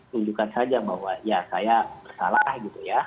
tunjukkan saja bahwa ya saya bersalah gitu ya